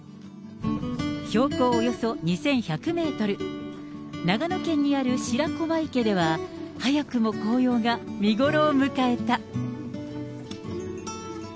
標高およそ２１００メートル、長野県にある白駒池では、早くも紅葉が見頃を迎えた。